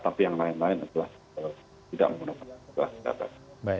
tapi yang lain lain adalah tidak menggunakan fasilitas negara